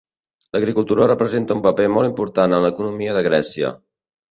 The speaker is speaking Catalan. L'agricultura representa un paper molt important en l'economia de Grècia.